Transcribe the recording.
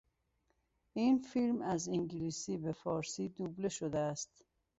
این فیلم از انگلیسی به فارسی دوبله شده است.